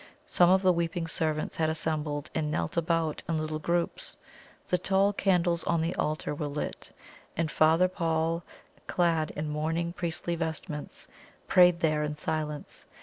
Some of the weeping servants had assembled, and knelt about in little groups. The tall candles on the altar were lit, and Father Paul, clad in mourning priestly vestments, prayed there in silence.